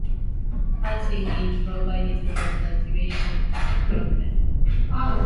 Housing is provided for the duration of the program.